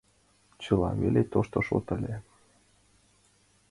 Чыла вере тошто шот ыле.